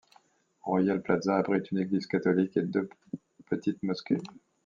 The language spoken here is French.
Royal Plaza abrite une église catholique et deux petites mosquées.